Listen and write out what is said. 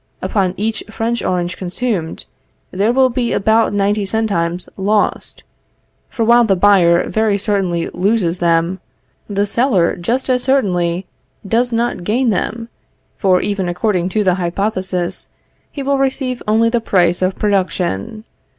Upon each French orange consumed, there will be about ninety centimes lost; for while the buyer very certainly loses them, the seller just as certainly does not gain them, for even according to the hypothesis, he will receive only the price of production.